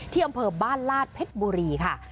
อำเภอบ้านลาดเพชรบุรีค่ะ